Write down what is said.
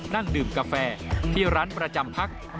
นั่งดื่มกาแฟที่ร้านประจำพัก